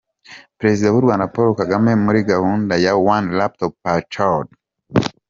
Perezida w'u Rwanda Paul Kagame muri gahunda ya One laptop per child.